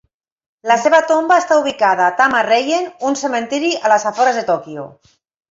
La seva tomba està ubicada a Tama Reien, un cementiri a les afores de Tokyo.